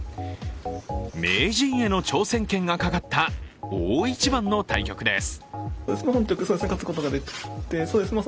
名人への挑戦権がかかった大一番の対局です。